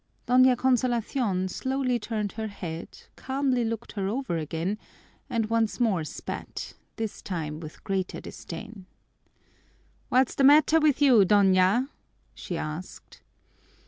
Doña Consolacion slowly turned her head, calmly looked her over again, and once more spat, this time with greater disdain. "What's the matter with you, Doña?" she asked.